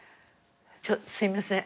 すいません。